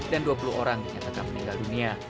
dan dua puluh orang dinyatakan meninggal dunia